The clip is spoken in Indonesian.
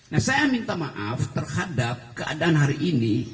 nah saya minta maaf terhadap keadaan hari ini